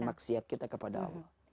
maksiat kita kepada allah